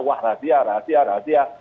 wah rahasia rahasia rahasia